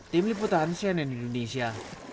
tim liputan cnn indonesia